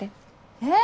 えっ？